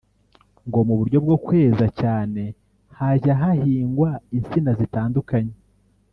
ngo mu buryo bwo kweza cyane hajya hahingwa insina zitandukanye